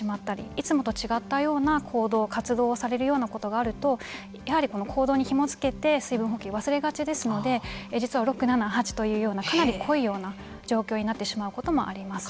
いつもと違ったような行動、活動をされるようなことがあるとやはり行動にひもづけて水分補給を忘れがちですので実は６、７、８というようなかなり濃いような状況になってしまうこともあります。